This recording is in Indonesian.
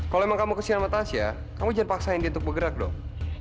kalau emang kamu kesini sama tasya kamu jangan paksain dia untuk bergerak dong